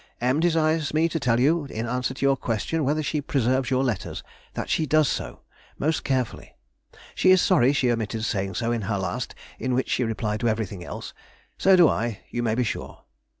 M. desires me to tell you, in answer to your question whether she preserves your letters, that she does so, most carefully. She is sorry she omitted saying so in her last in which she replied to everything else. So do I, you may be sure.